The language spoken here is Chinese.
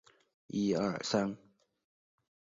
某些藩也会设置奏者番的职务。